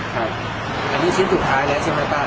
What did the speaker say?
อันนี้ชิ้นสุดท้ายแล้วใช่ไหมป้า